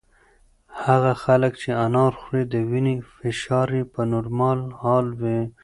هغه خلک چې انار خوري د وینې فشار یې په نورمال حال وي.